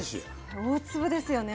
大粒ですよね。